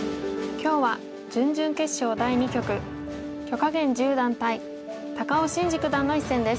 今日は準々決勝第２局許家元十段対高尾紳路九段の一戦です。